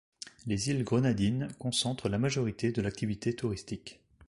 Les îles Grenadines concentrent la majorité de l'activité touristique.